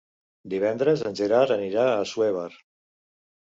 Divendres en Gerard anirà a Assuévar.